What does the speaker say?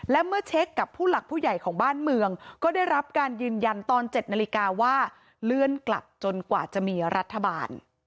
และเมื่อเช็คกับผู้หลักผู้ใหญ่ของบ้านเมืองก็ได้รับการยืนยันตอน๗นาฬิกาว่าเลื่อนกลับจนกว่าจะมีรัฐบาล